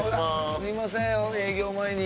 すいません営業前に。